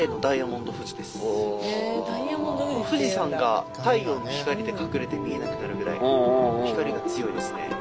富士山が太陽の光で隠れて見えなくなるぐらい光が強いですね。